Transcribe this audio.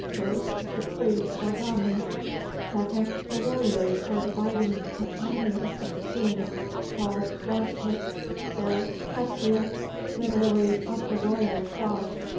First, the priests or Brahmans. Second, the warriors or fighting companions of the king, called Rajputs or Kchatryas, literally "of the royal stock."